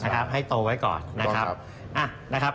ใช่ค่ะใช่ค่ะให้โตไว้ก่อนนะครับ